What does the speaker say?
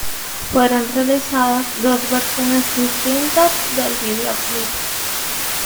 Fueron realizadas dos versiones distintas del videoclip.